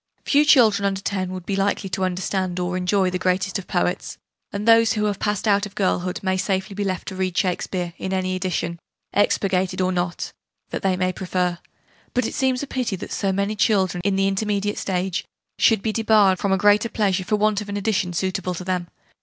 Few children under 10 would be likely to understand or enjoy the greatest of poets: and those, who have passed out of girlhood, may safely be left to read Shakespeare, in any edition, 'expurgated' or not, that they may prefer: but it seems a pity that so many children, in the intermediate stage, should be debarred from a great pleasure for want of an edition suitable to them.